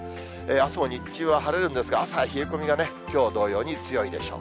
あすも日中は晴れるんですが、朝は冷え込みがきょう同様に強いでしょう。